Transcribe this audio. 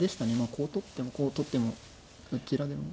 こう取ってもこう取ってもどちらでも。